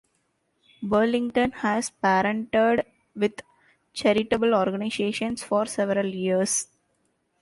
Burlington has partnered with charitable organizations for several years.